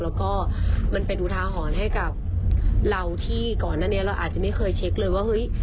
แล้วก็มันเป็นอุทาหรณ์ให้กับเราที่ก่อนหน้านี้เราอาจจะไม่เคยเช็คเลยว่าเฮ้ย